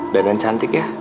dana cantik ya